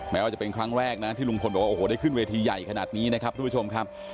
แม้ว่าจะเป็นครั้งแรกนะที่ลุงพลบอกว่าโอ้โหได้ขึ้นเวทีใหญ่ขนาดนี้นะครับทุกผู้ชมครับ